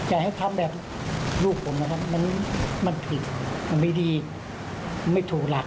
จะให้มีภาพแบบลูกผมมันผิดไม่ดีไม่ถูกหลัก